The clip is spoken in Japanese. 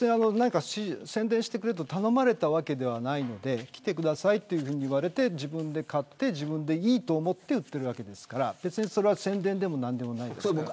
宣伝してくれと頼まれたわけではないので来てくださいと言われて自分で買って自分でいいと思って売っているわけですから別にそれは宣伝でもないです。